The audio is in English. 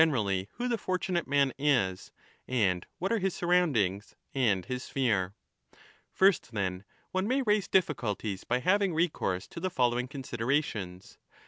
BOOK II. 8 1206' rally who the fortunate man is, and what are his surround ings and his sphere. First, then, one may raise difficulties by having recourse to the following considerations.